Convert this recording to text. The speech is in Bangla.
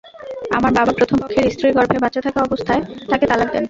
আমার বাবা প্রথম পক্ষের স্ত্রীর গর্ভে বাচ্চা থাকা অবস্থায় তাঁকে তালাক দেন।